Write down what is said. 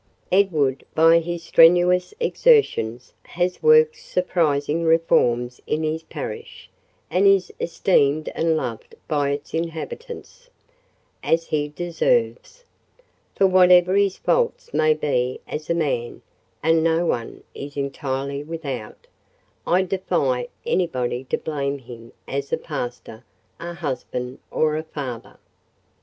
Edward, by his strenuous exertions, has worked surprising reforms in his parish, and is esteemed and loved by its inhabitants—as he deserves; for whatever his faults may be as a man (and no one is entirely without), I defy anybody to blame him as a pastor, a husband, or a father.